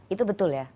itu betul ya